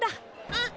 あっ。